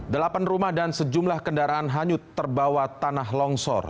delapan rumah dan sejumlah kendaraan hanyut terbawa tanah longsor